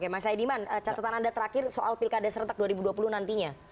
mas aidiman catatan anda terakhir soal pilkada serentak dua ribu dua puluh nantinya